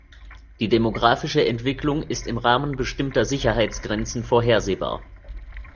Die demographische Entwicklung ist im Rahmen bestimmter Sicherheitgrenzen vorhersehbar.